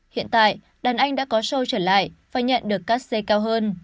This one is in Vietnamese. hiện tại đàn anh đã có show trở lại và nhận được các giấy cao hơn